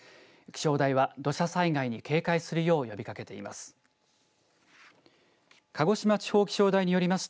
気象台は土砂災害に警戒するよう呼びかけています。